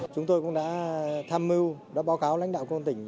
chúng tôi cũng đã tham mưu đã báo cáo lãnh đạo công an tỉnh